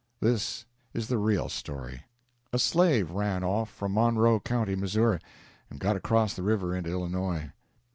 This is the real story: A slave ran off from Monroe County, Missouri, and got across the river into Illinois.